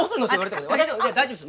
大丈夫です！